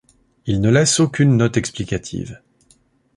Il ne laisse aucune note explicative.